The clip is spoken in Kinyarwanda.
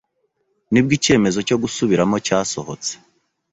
nibwo icyemezo cyo gusubiramo cyasohotse